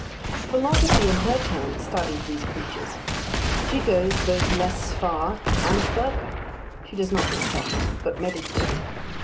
Philosophy in her turn studies these creatures. She goes both less far and further. She does not dissect, but meditate.